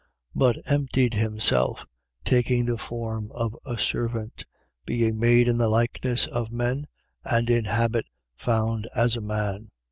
But emptied himself, taking the form of a servant, being made in the likeness of men, and in habit found as a man.